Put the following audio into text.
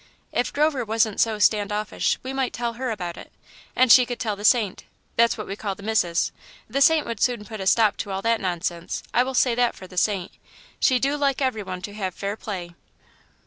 If Grover wasn't so stand offish, we might tell her about it, and she could tell the Saint that's what we call the missis; the Saint would soon put a stop to all that nonsense. I will say that for the Saint, she do like everyone to have fair play."